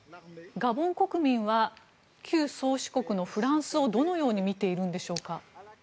ガボン国民は旧宗主国のフランスをどのように見ているのでしょうか。